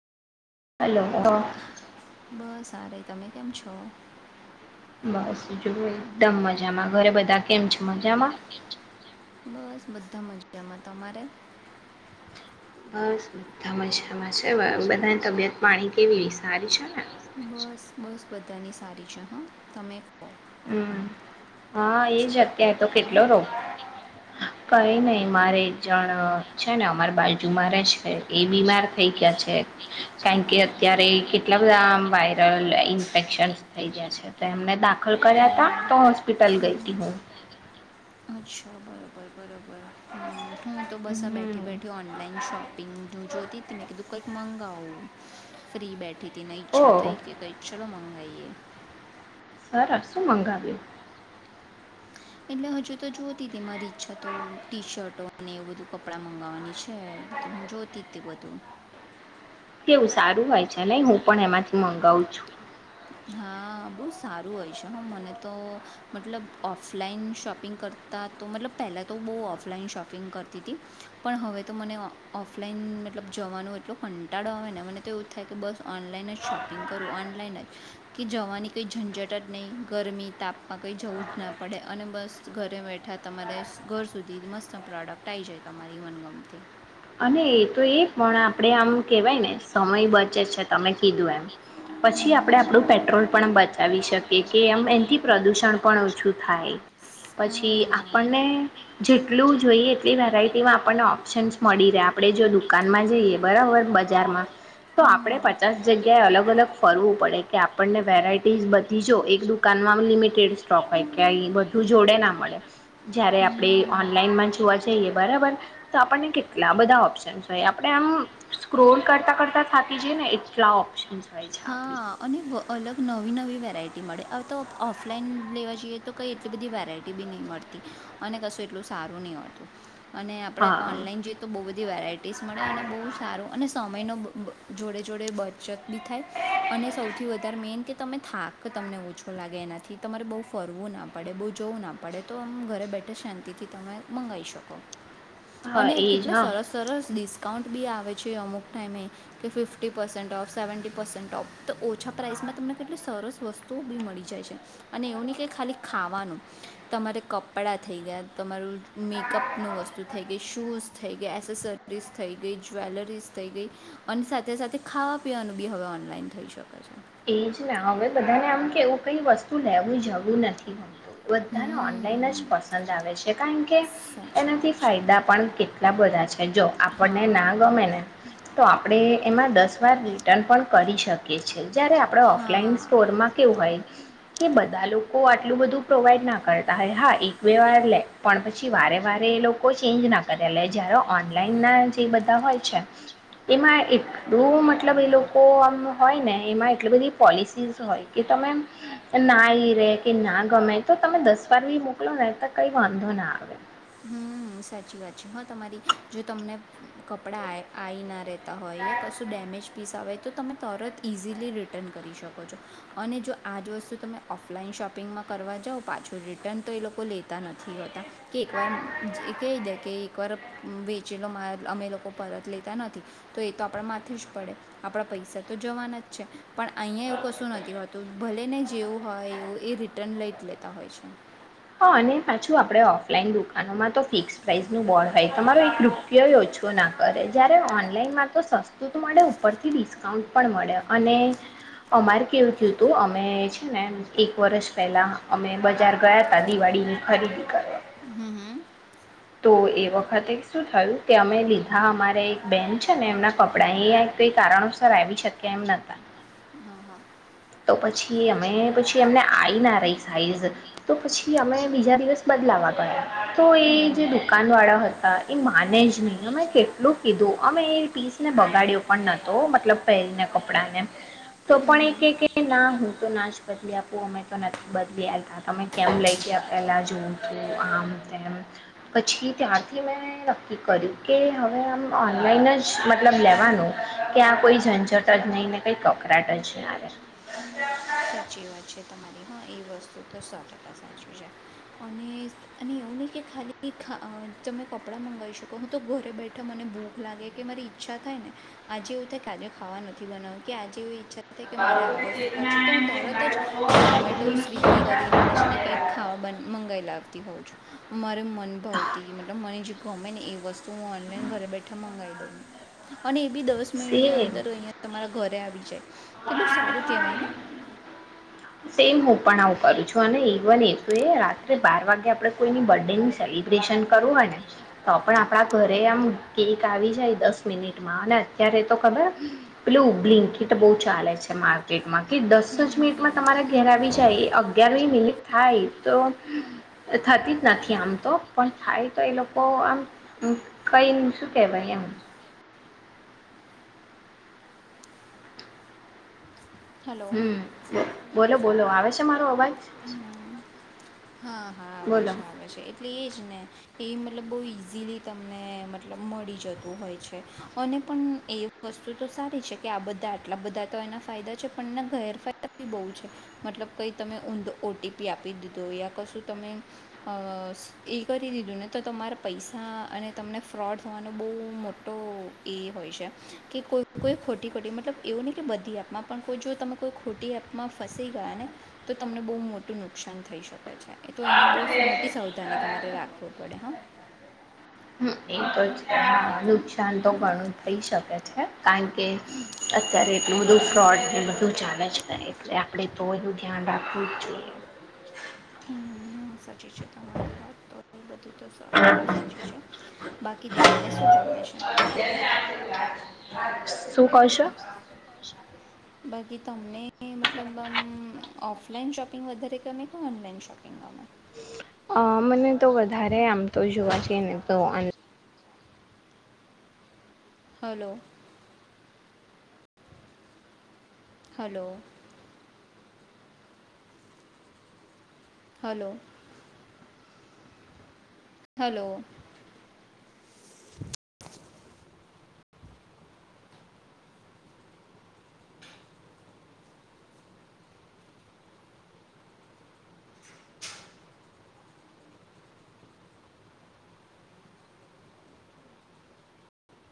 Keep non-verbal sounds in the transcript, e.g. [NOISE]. Hello બસ સારે તમે કેમ છો? બસ જુ એકદમ મજામાં. ઘરે બધા કેમ છે મજામાં? બસ બધા મજામાં તમારે? બસ બધા મજામાં છે બધાની તબિયત પાણી કેવી સારી છે ને. બસ બસ બધાની સારી છે હા તમે કહો? હમ્મ હા શું એજ કરતા અત્યારે તો હતા તમે કેટલો રો. કઈ નને મારે એક જણ છે ને અમારે બાજુ મારે છે એ બીમાર થઈ ગયા છે કારણ કે અત્યારે કેટલા બધા વાયરલ ઇન્ફેક્શનસ થઈ ગયા છે તો એમને દા ખલ કર્યા હતા તો હોસ્પિટલ ગઈ હતી હું. અચ્છા બરોબર બરોબર હમ, હું તો બસ બેઠી હમ બેઠી ઓનલાઈન શોપિંગનું જોતી હતી મેં કધું કઈક મંગાઓ ફ્રીબ બેડ ઠી નને ઓ ઈચ્છા થઈ કે કંઈ ચાલલો મંગાવાઈએ સરસ શુ મંગાવ્યું? એટલે હજુ તો જોતી હતી મારી ઈચ્છા તો ટી શર્ટો અને એવું બધું કપડા મંગાવવાની છે. તો હું જોતી હતી બધું. કેવું સારું હોય છે ને. હું પણ એમાંથી મંગાવું છુ. હા બહુ સારું હોય છે. હા મને તો મતલબ ઓફલાઈન શોપિંગ કરતા તો મતલબ પહેલાં તો બહુ ઓફલાઈન શોપિંગ કરતી હતી. પણ હવે તો મને ઓફલાઈન મતલબ જવાનું એટલો કંટાળો આવે ને. મને તો એવું થાય કે બસ ઓનલાઈન જ શોપિંગ કરું. ઓનલાઈન જ કે જવાની કઈ ઝંઝટ જ નહી. ગરમી તાપમાં કઈ જવું જ ના પડે. અને બસ ઘરે બેઠા તમારે ઘર સુધી મસ્ત પ્રોડક્ટ આવી જાય તમારી મનગમતી. અને એ તો એ પણ આપડે આમ કેવાય ને સમય બચે છે તમે કીધું એમ. પછી આપણે આપણું પેટ્રોલ પણ બચાવી શકીએ. કે એમ એથી પ્રદુષણ પણ ઓછું થાય. પછી આપણને જેટલું જોઈએ તે વેરાયટી તેમાં આપણને ઓપ્શન્સ મળી રહે આપણે જો દુકાનમાં જઈએ બરાબર બજારમાં તો આપણે પચાસ જગ્યાએ અલગ અલગ ફરવું પડે કે આપણને વેરાઈ તેજ બતી જો એક દુકાનમાં આ લિમિટેડ સ્ટોક હોય કઈ બધું જોડે ના મળે. જયારે હમ. આપડે ઓનલાઈન માં જ જોવા જઈએ બરાબર. તો આપણને કે ટલા બધા ઓપ્શનસ હોય. આપડે આમ સ્ક્રોલ કરતા કરતા થતી જઈએ ને એટલા ઓપ્શન્સ હોય છે આપણી હા, અને વ અલગ નવી નવી વેરાયટી મળે. હવે તો ઓફલાઈન લેવા જઈએ તો, કંઈ એટલી બધી વેરાયટી બી નહીં મળતી. અને કશું એટલું સારું નહીં હોતું. અને આપડે ઓનલાઈન હા જોઈએ તો બહુ બધી વેરાયટીસ મળે. અને બહુ સારું અને સમયનો બ જોડે જોડે બચત બી થાય અને સૌથી વધારે મેન કે તમે થાક કે તમને ઓછો લાગે એનાથી. તમારે બહુ ફરવું ના પડે. બહુ જોવું ના પડે. તો આમ ઘરે બેઠા શાંતિથી તમે મંગાઈ શકો. હા અને એજ કેટલા હા સરસ સરસ ડીસ કાઉન્ટ બી આવે છે અમુક ટાઈમે કે fifty percent of seventy percent of. તો ઓછા પ્રાઇસમાં તમને કેટલી સરસ વસ્તુઓ બી મળી જાય છે. અને એવું નહીં કે ખાલી ખાવાનું. તમારે કપડાં થઈ ગયા, તમારું મેકઅપનું વસ્તુ થઈ ગઈ, શૂઝ થઈ ગયા, એસેસરીઝ થઈ ગઈ, જ્વેલરીઝ થઈ ગઈ, અને સાથે સાથે ખાવા પીવાનું બી હવે ઓનલાઈન થઈ શકે છે. એજ ના હવે બધાને આમ કે એવું કઈ વસ્તુ લેવું જવું નથી હ બધાને ઓનલાઈન જ હમ પસંદ આવે છે. કારણ કે સાચી એનાથી વાત ફાયદા છે પણ કેટલા બધા છે. જો આપણને ના હા ગમે ને તો આપડે એમાં દસ વાર રિટર્ન પણ કરી શકીએ છે. જ્યારે આપડે ઓફલાઈન હા સ્ટોરમાં કેવું હોય કે બધા લોકો આટલું બધું પ્રોવાઈડ ના કરતા હોય. હા એક બે વાર લે, પણ પછી વારે વારે એ લોકો ચેન્જ ના કરે. લે જ્યારે ઓનલાઈન ના જે બધા હોય છે, એમાં એટલું મતલબ એ લોકો આમ હોય ને એમાં એટલી બધી પોલિસીસ હોય કે તમે ના ઈરે કે ના ગમે તો તમે દસ વાર બી મોકલો ને તો કઈ વાંધો ના આવે. હમ્મ, સાચી વાત છે હા તમારી. જો તમને કપડા આએ આઈ ના રે તો હોય યા કશું ડેમેજ પીસ આવે તો તમે તરત ઇઝીલી રિટર્ન કરી શકો છો. અને જો આ જ વસ્તુ તમે ઓફલાઈન શોપિંગમાં કરવા જાઓ. પાછું રિટર્ન તો એ લોકો લેતા નથી હોતા કે એકવાર અમ્મ જે કહી દે કે કર વેચેલો માલ અમે લોકો પરત લેતા નથી. તો એ તો આપડા માથે જ પડે, આપડા પૈસા તો જવાના જ છે. પણ અહીંયા એવું કશું નથી હોતું. ભલે ને જેવું હોય એવું, એ રિટર્ન લઈ જ લેતા હોય છે. હા અને પાછું આપણડે ઓફલાઈન દુકાનોમાં તો ફિક્સ પ્રાઇસનું બોળ હોય. તમારો એક રૂપિયોય ઓછો ના કરે. જ્યારે ઓનલાઈનમાં તો સસ્તું તો મળે ઉપરથી ડિસ્કાઉન્ટ પણ મળે. અને અમારે કેવું થયું હતું અમે છે ને, એક વર્ષ પહેલાં અમે બજાર ગયા તા દિવાળીની ખરીદી કરવા હમ્મ, હમ્મ. તો એ વખતે શું થયું કે અમે લીધા અમારે એક બેન છે ને એમના કપડા. એ કઈ કારણોસર આવી શક્યા એમ નતા હા, હા. તો હમ હમ હમ પછી અમે પછી એમને આઈ ના રહી સાઈઝ તો પછી અમે બીજા દિવસ બદલાવા ગયા તો એ જે દુકાન વાળા હતા એ માને જ નહી અમે કેટલું કીધું અમે એ પીસને બગાડ્યો પણ નતો મતલબ પહેરીને કપડાને તો પણ એ કે કે ના હું તો ના જ બદલી આપું અમે તો નથી બદલી આવતા તમે કેમ લઈ ગયા પેલા જોઉ તું આમ તેમ પછી ત્યારથી મેં નક્કી કર્યું કે હવે આમ ઓનલાઈન જ મતલબ લેવાનું કે આ કોઈ ઝંઝટ જ નહીં ને કઈ કપડાં ટચ ના રહે. [INAUDIBLE] સાચી વાત છે તમારી હા એ વસ્તુ તો સો ટકા સાચુ છે અને અને એવું નહીં કે ખાલી ખા અહ તમે કપડાં મંગાવી શકો હું તો ઘરે બેઠા મને ભૂખ લાગે કે મારી ઈચ્છા થાય ને આજે એવું થાય કાલે ખાવા નથી બનાવ્યું કે આજે એવી ઈચ્છા સાથે કે મારે આ બાળકોને વસ્તુ ખાઉ ચેતના છે તો એમ હું કે તરત મારા જ ઝોમેટો, લોકો સ્વગી નથી કરીને ને કઈક પામેલા ખાવા મંગાવ લાવતી હોઉં છું. મારે અનુભવતી મતલબ મને જે ગમે ને એ વસ તું ઓનલાઈન ઘરે બેઠા મંગાઈ અને એ બી દસ મિનિટ ની સેમ અંદર અહ તમારા ઘર દે આવી જાય એટલું સારું કેવાય ને. સેમ હો. પણાવું કરું છું અને ઇવન એ તો એ રાત્રે બાર વાગે આપડે કોઈની બર્થ ડે ની સેલિબ્રેશન કરવું હોય ને તો પણ આપણા ઘરે આમ કેક આવી જાય દસ મિનિટમાં અને અત્યારે તો ખબર પેલ બલિકીટ બહુ ચાલે છે માર્કેટમાં કે દસ જ મિનિટમાં ઘેર આવી જાય અગિયારમી મિનિટ થાય તો થતી જ નથી આમ તો પણ થાય તો એ લોકો આમ કઈ શું કેવાય એમ હલો હમ્મ બોલો બોલો આવે છે મારો અવાજ અવાજ હા, હા. આવે બોલો છે આવે છે એટલે એજ ને. એ મતલબ બહુ ઇઝીલી તમને મતલબ મળી જતું હોય છે અને પણ એ વસ્તુ તો સારી છે કે આ બધા આટલા બધા તો એના ફાયદા છે પણ એના ગેરફાયદા બી બહુ છે મતલબ કંઈ તમે ઊંધો ઓ ટી પી આપી દીધો યા કશું તમે અ એ કરી દીધું ને તો તમારા પૈસા અને તમને ફ્રોડ હોવાનો બહુ મોટો એ હોય છે કે કોઈ કોઈ ખોટી ખોટી મતલબ એવું નહીં કે બધી એપમાં પણ કોઈ જો તમે કોઈ ખોટી એપમાં ફસી ગયા ને તો તમને બહુ મોટું નુકસાન થઈ શકે છે એ તો એની બહુ મોટી સાવધાની. તમારે રાખવું પડે હા. એ તો જ. નકસાન તો ઘણું થઈ શકે છે કાણ કે અત્યારે એટલું બધું ફ્રોડ ને બધું ચાલે જ નહી એટલે આપણે તો એનું ધ્યાન રાખવું જ જોઈએ. હમ્મ સાચી છે તમારી વાત તો બધી તો સો ટકા સાચું છે. બાકી તમને શું ગમે છે? શું કરશો? બાકી તમને મતલબમ આમ ઓફલાઈન શોપિંગ વધારે ગમે કે ઓનલાઈન શોપિંગ ગમે? અહ મને તો વધારે આમ તો જોવા જઈ ને તો ઓન હલો. હલો. હલો. હલો.